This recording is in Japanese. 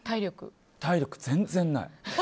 体力、全然ない。